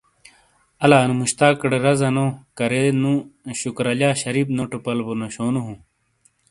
آلا انو مشتاقٹے رازا نو کرے نو شکور علیا شریف نوٹو پلو بو نشونو ہوں۔